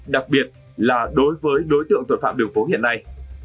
đặc biệt là đối với đối tượng tội phạm đường phố hiện nay